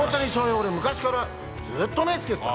俺昔からずっと目つけてた！